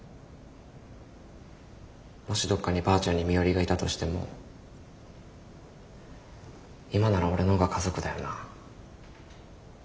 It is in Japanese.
もしどっかにばあちゃんに身寄りがいたとしても今なら俺の方が家族だよな。